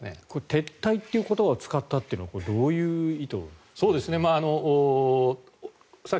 撤退という言葉を使ったのはどういう意図ですか？